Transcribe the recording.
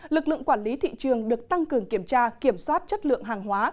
lực lượng quản lý thị trường được tăng cường kiểm tra kiểm soát chất lượng hàng hóa